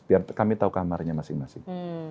biar kami tahu kamarnya masing masing